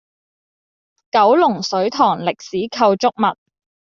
九龍水塘歷史構築物